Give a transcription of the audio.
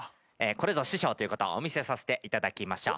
これぞ師匠ということをお見せさせていただきましょう。